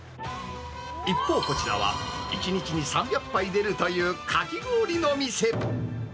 一方こちらは、１日に３００杯出るというかき氷の店。